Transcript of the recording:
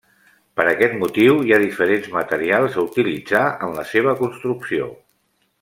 Per aquest motiu hi ha diferents materials a utilitzar en la seva construcció.